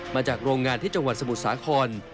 มาจากโรงงานที่จังหวัดสมุทรสาคร